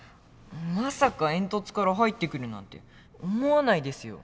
まさか煙突から入ってくるなんて思わないですよ。